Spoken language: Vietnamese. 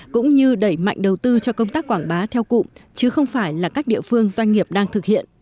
cũng như đẩy mạnh đầu tư cho công tác quảng bá theo cụm chứ không phải là các địa phương doanh nghiệp đang thực hiện